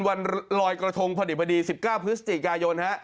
วันรอยกระโทงภรรยบดี๑๙พฤศจริกายนฮะ